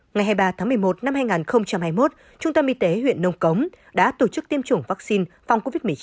ngày hai mươi ba tháng một mươi một năm hai nghìn hai mươi một trung tâm y tế huyện nông cống đã tổ chức tiêm chủng vaccine phòng covid một mươi chín